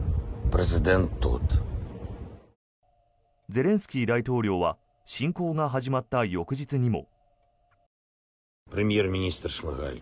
ゼレンスキー大統領は侵攻が始まった翌日にも。